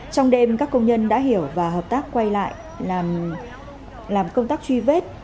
trong đêm các công nhân đã hiểu và hợp tác quay lại làm công tác truy vết